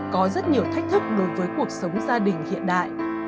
có rất nhiều thách thức đối với cuộc sống gia đình hiện đại